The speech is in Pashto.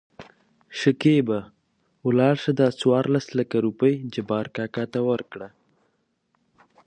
شکېبا : ولاړ شه دا څورلس لکه روپۍ جبار کاکا ته ورکړه.